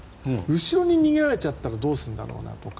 後ろに逃げられちゃったらどうするんだろうなとか。